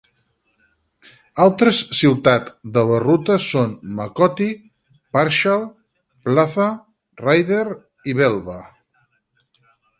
Altres ciutat de la ruta són Makoti, Parshall, Plaza, Ryder i Velva.